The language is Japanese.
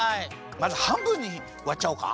まずはんぶんにわっちゃおうか。